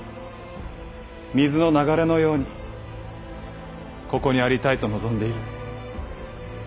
水の流れのようにここにありたいと望んでいる。